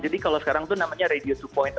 jadi kalau sekarang tuh namanya radio dua